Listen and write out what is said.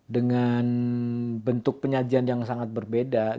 dengan bentuk penyajian yang sangat berbeda